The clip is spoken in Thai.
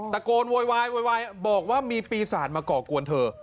โวยวายโวยวายบอกว่ามีปีศาจมาก่อกวนเธอ